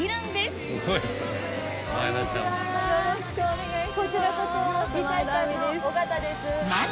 よろしくお願いします。